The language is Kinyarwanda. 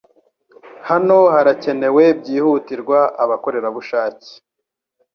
Hano harakenewe byihutirwa abakorerabushake.